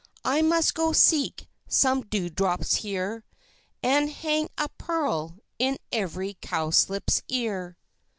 I must go seek some dew drops here, And hang a pearl in every Cowslip's ear.